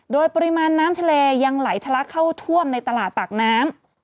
โดยปริมาณน้ำทะเลยังไหลทะลักเข้าท่วมในตลาดปากน้ำ